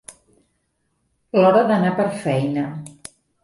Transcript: L'hora d'anar per feina.